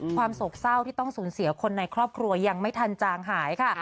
โศกเศร้าที่ต้องสูญเสียคนในครอบครัวยังไม่ทันจางหายค่ะ